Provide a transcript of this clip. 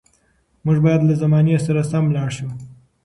موږ باید له زمانې سره سم لاړ شو.